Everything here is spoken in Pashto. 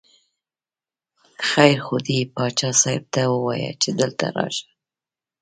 خیر خو دی، باچا صاحب ته ووایه چې دلته راشه.